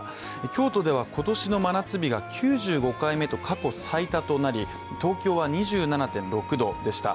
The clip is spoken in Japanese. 京都では今年の真夏日が９５回目と過去最多となり東京は２７．６度でした。